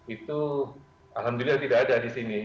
itu alhamdulillah tidak ada di sini